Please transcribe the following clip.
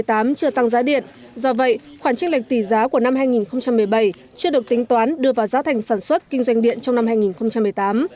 chưa tăng giá điện do vậy khoản trích lệch tỷ giá của năm hai nghìn một mươi bảy chưa được tính toán đưa vào giá thành sản xuất kinh doanh điện trong năm hai nghìn một mươi tám